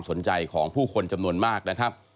สนใจของผู้คนจำนวนมากนะครับ